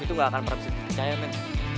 itu gak akan pernah bisa dipercaya men